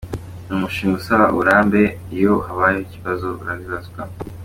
Ni umushinga usaba uburambe, iyo habayeho ikibazo urabibazwa.